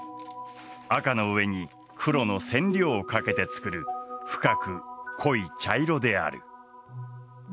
紅の上に黒の染料をかけて作る深く濃い茶色である。